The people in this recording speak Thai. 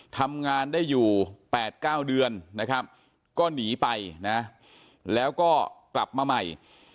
ทำงานได้อยู่๘๙เดือนนะครับก็หนีไปนะแล้วก็กลับมาใหม่